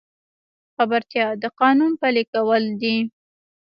خبرتیا د قانون پلي کول دي